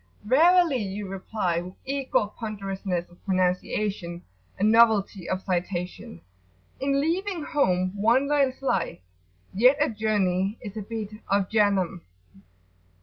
"Verily," you reply with equal ponderousness of pronunciation and novelty of citation, "in leaving home one learns life, yet a journey is a bit of Jahannam."